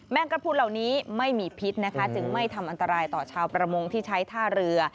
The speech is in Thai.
งกระพุนเหล่านี้ไม่มีพิษนะคะจึงไม่ทำอันตรายต่อชาวประมงที่ใช้ท่าเรือ